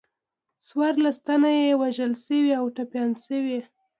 څوارلس تنه یې وژل شوي او ټپیان شوي.